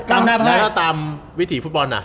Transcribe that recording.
ได้ถ้าตามวิถีฟุตบอลอ่ะ